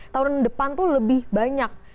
tahun depan tuh lebih banyak